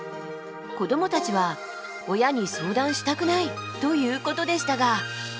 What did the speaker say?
子どもたちは「親に相談したくない」ということでしたが。